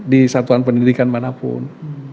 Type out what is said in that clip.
di satuan pendidikan manapun